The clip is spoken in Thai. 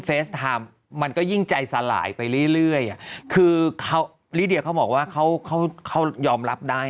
ไทม์มันก็ยิ่งใจสลายไปเรื่อยคือเขาลิเดียเขาบอกว่าเขาเขายอมรับได้